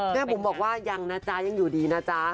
บุ๋มบอกว่ายังนะจ๊ะยังอยู่ดีนะจ๊ะ